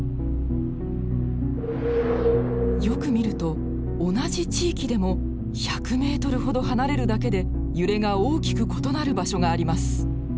よく見ると同じ地域でも１００ｍほど離れるだけで揺れが大きく異なる場所があります。